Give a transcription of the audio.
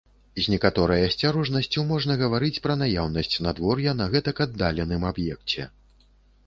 З некаторай асцярожнасцю можна гаварыць пра наяўнасць надвор'я на гэтак аддаленым аб'екце.